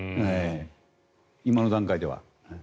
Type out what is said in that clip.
今の段階では。